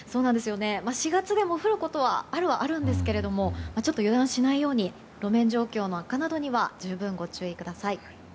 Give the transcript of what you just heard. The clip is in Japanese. ４月でも降ることはあるはありますが油断しないように路面状況の悪化などには十分ご注意ください。